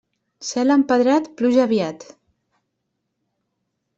Cel empedrat, pluja aviat.